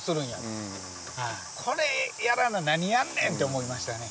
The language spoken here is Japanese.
これやらな何やんねんって思いましたね。